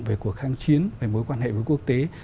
về cuộc kháng chiến về mối quan hệ với quốc tế